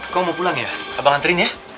kok mau pulang ya abang anterin ya